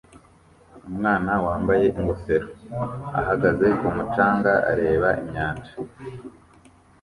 Umwana wambaye ingofero ahagaze ku mucanga areba inyanja